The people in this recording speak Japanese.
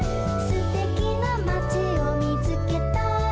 「すてきなまちをみつけたよ」